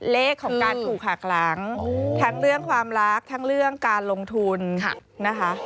เลขของการถูกหักหลังทั้งเรื่องความรักทั้งเรื่องการลงทุนนะคะ